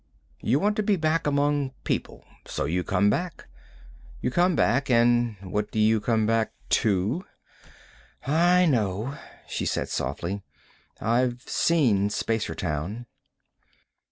You want to be back among people. So you come back. You come back. And what do you come back to?" "I know," she said softly. "I've seen Spacertown."